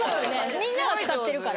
みんなが使ってるから。